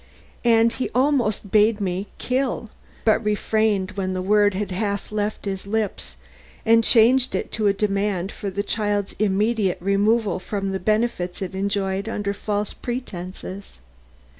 And he almost bade me, 'Kill!' but refrained when the word had half left his lips and changed it to a demand for the child's immediate removal from the benefits it enjoyed under false pretenses."